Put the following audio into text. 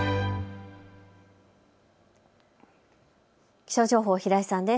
気象情報、平井さんです。